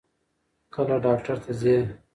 کله ډاکټر ته ځې؟